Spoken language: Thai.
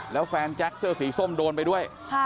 แล้วแฟนแจ็คเสื้อสีส้มโดนไปด้วย